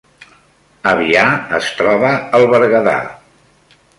Avià es troba al Berguedà